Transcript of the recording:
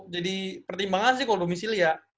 jadi pertimbangan sih kalau domisi lia